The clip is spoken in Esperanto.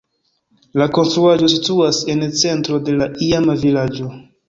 La konstruaĵo situas en centro de la iama vilaĝo.